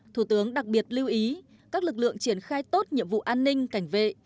thủ tướng đặc biệt lưu ý các lực lượng triển khai tốt nhiệm vụ an ninh cảnh vệ